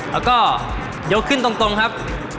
แล้วก็ยกขึ้นตรงครับ